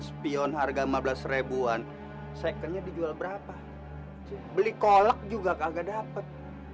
spion harga lima belas an secondnya dijual berapa beli kolak juga kagak dapet